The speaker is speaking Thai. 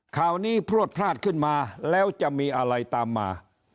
ข่าวนี้พลวดพลาดขึ้นมาแล้วจะมีอะไรตามมา